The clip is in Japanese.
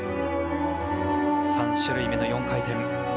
３種類目の４回転。